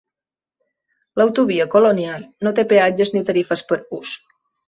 L'autovia Colonial no té peatges ni tarifes per ús.